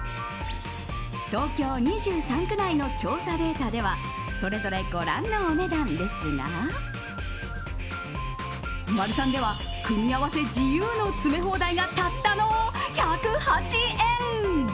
東京２３区内の調査データではそれぞれご覧のお値段ですがマルサンでは組み合わせ自由の詰め放題がたったの１０８円。